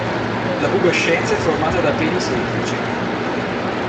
La pubescenza è formata da peli semplici.